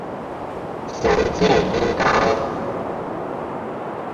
详见音高。